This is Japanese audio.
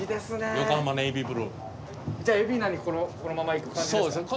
じゃあ海老名にこのまま行く感じですか？